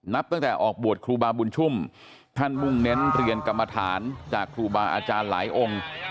นับตั้งแต่ออกบวชครูบาบุญชุ่มท่านมุ่งเน้นเรียนกรรมฐานจากครูบาอาจารย์หลายองค์